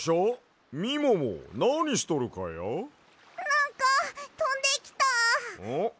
なんかとんできた。